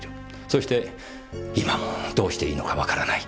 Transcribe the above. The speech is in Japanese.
そして今もどうしていいのかわからない。